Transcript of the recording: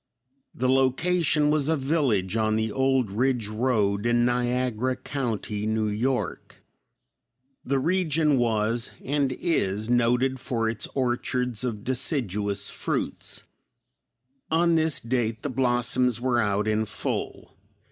The location was a village on the old Ridge road in Niagara county, New York. The region was, and is, noted for its orchards of deciduous fruits. On this date the blossoms were out in full.